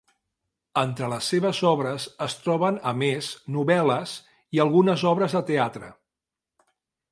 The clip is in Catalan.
Entre les seves obres es troben, a més, novel·les i algunes obres de teatre.